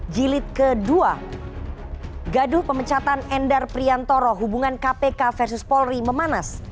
jilid kedua gaduh pemecatan endar priantoro hubungan kpk versus polri memanas